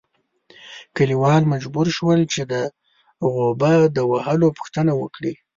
کلیوال مجبور شول چې د غوبه د وهلو پوښتنه وکړي.